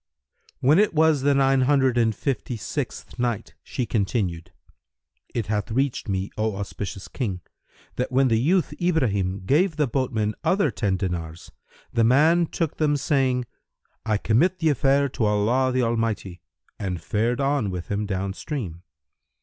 When it was the Nine Hundred and Fifty sixth Night, She continued, It hath reached me, O auspicious King, that when the youth Ibrahim gave the boatman other ten dinars, the man took them, saying, "I commit the affair to Allah the Almighty!" and fared on with him down stream.